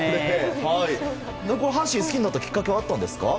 阪神を好きになったきっかけはあったんですか？